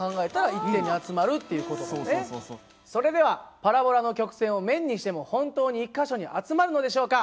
それではパラボラの曲線を面にしても本当に１か所に集まるのでしょうか？